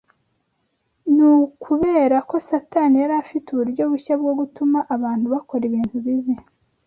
Ni ukubera ko Satani yari afite uburyo bushya bwo gutuma abantu bakora ibintu bibi